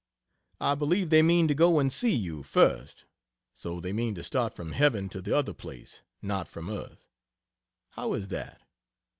I believe they mean to go and see you, first so they mean to start from heaven to the other place; not from earth. How is that?